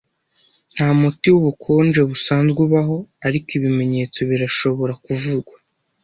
Nta muti wubukonje busanzwe ubaho, ariko ibimenyetso birashobora kuvurwa.